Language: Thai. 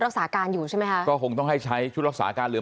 รักษาการอยู่ใช่ไหมคะก็คงต้องให้ใช้ชุดรักษาการเหลือ